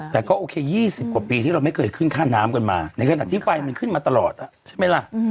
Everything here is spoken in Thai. แต่ก็โอเค๒๐กว่าปีที่เราไม่เคยขึ้นค่าน้ำกันมาในขณะที่ไฟมันขึ้นมาตลอดใช่ไหมล่ะ